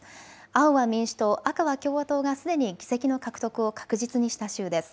青は民主党、赤は共和党がすでに議席の獲得を確実にした州です。